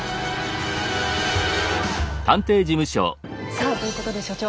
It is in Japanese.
さあということで所長。